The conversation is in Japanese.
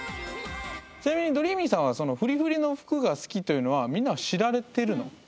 ちなみにどりーみぃさんはそのフリフリの服が好きというのはみんなは知られてるの？